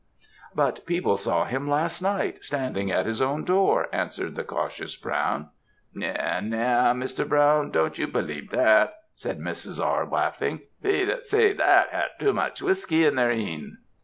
"'But people saw him last night, standing at his own door,' answered the cautious Brown. "'Na, na, Mr. Brown, don't you believe that,' said Mrs. R., laughing; they that say that had too much whiskey in their een.'